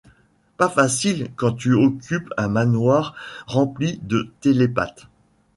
Pas facile, quand tu occupes un manoir rempli de télépathes.